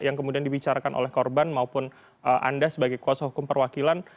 yang kemudian dibicarakan oleh korban maupun anda sebagai kuasa hukum perwakilan